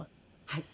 はい。